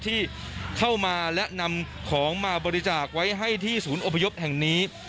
ที่เข้ามาและนำของมาบริจาคไว้ให้ที่ศูนย์อพยพแห่งนี้